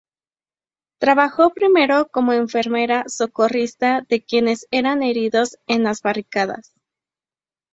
Trabajó primero como enfermera socorrista de quienes eran heridos en las barricadas.